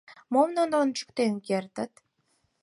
Мом нуно ончыктен кертыт?